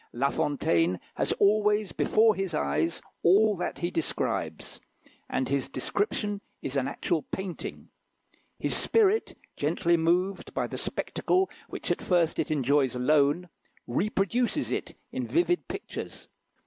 La Fontaine has always before his eyes all that he describes, and his description is an actual painting. His spirit, gently moved by the spectacle which at first it enjoys alone, reproduces it in vivid pictures.